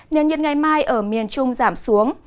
nhiệt nhiệt ngày mai ở miền trung giảm xuống